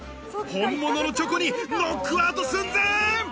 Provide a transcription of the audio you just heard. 本物のチョコにノックアウト寸前！